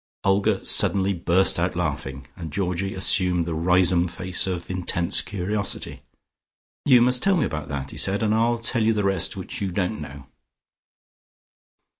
Olga suddenly burst out laughing, and Georgie assumed the Riseholme face of intense curiosity. "You must tell me all about that," he said, "and I'll tell you the rest which you don't know."